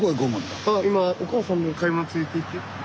今お母さんの買い物についていって。